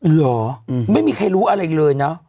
เหรอไม่มีใครรู้อะไรเลยนะ